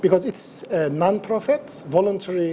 karena ini adalah forum yang tidak beruntung